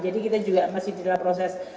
jadi kita juga masih dalam proses